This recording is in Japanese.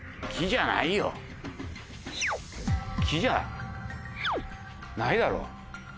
木じゃないだろ。